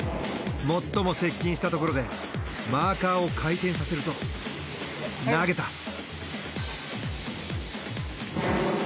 最も接近したところでマーカーを回転させると投げた！